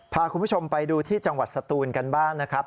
พาคุณผู้ชมไปดูที่จังหวัดสตูนกันบ้างนะครับ